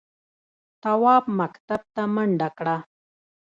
تواب مکتب ته منډه کړه.